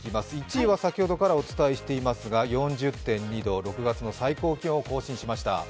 １位は先ほどからお伝えしていますが４０．２度、６月の最高気温を更新しました。